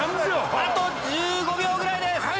あと１５秒ぐらいです。